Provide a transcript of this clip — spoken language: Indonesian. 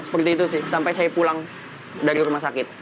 seperti itu sih sampai saya pulang dari rumah sakit